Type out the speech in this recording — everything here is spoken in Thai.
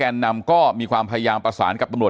อย่างที่บอกไปว่าเรายังยึดในเรื่องของข้อ